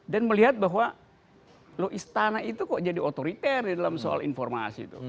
dan melihat bahwa lo istana itu kok jadi otoriter dalam soal informasi itu